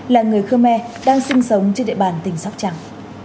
là người khơ me đang sinh sống trên địa bàn tỉnh sóc trăng